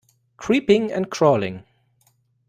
Creeping and crawling